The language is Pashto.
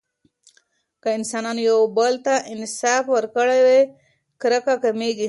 که انسانانو یو بل ته انصاف ورکړي، کرکه کمېږي.